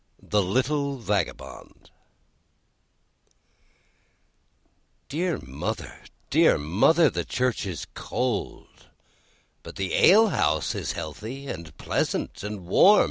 THE LITTLE VAGABOND Dear mother, dear mother, the Church is cold; But the Alehouse is healthy, and pleasant, and warm.